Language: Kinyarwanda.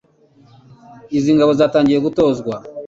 izi ngabo zatangiye gutozwa